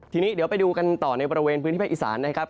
ทีนี้เดี๋ยวไปดูกันต่อในบริเวณพื้นที่ภาคอีสานนะครับ